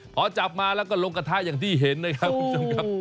พอจับมาแล้วก็ลงกระทะอย่างที่เห็นนะครับ